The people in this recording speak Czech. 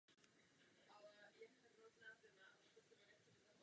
Abychom zastavili nezvratnou změnu klimatu, museli bychom změnit jiné klima.